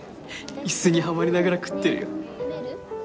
イスにはまりながら食ってるよ